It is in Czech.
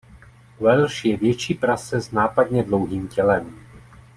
Welsh je větší prase s nápadně dlouhým tělem.